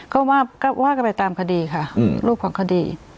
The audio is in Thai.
ก็ว่ากันไปตามคดีค่ะรูปของคดี